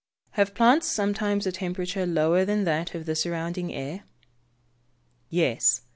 Have plants sometimes a temperature lower than that of the surrounding air? Yes.